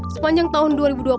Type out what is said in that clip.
sepanjang tahun dua ribu dua puluh